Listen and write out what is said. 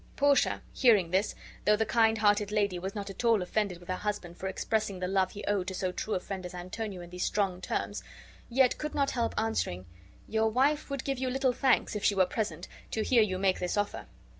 Portia hearing this, though the kind hearted lady was not at all offended with her husband for expressing the love he owed to so true a friend as Antonio in these strong terms, yet could not help answering: "Your wife would give you little thanks, if she were present, to hear you make this offer."